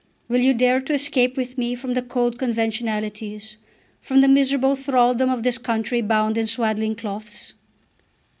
_ Will you dare to escape with me from the cold conventionalities, from the miserable thraldom of this country bound in swaddling cloths?